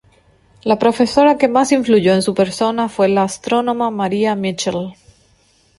La profesora que más influyó en su persona fue la astrónoma Maria Mitchell.